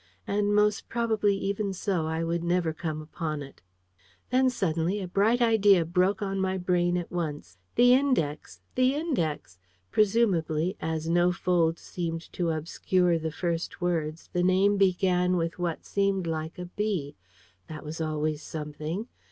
And, most probably even so, I would never come upon it. Then suddenly, a bright idea broke on my brain at once. The Index! The Index! Presumably, as no fold seemed to obscure the first words, the name began with what looked like a B. That was always something.